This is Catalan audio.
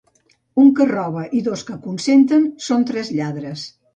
Un que roba i dos que ho consenten són tres lladres.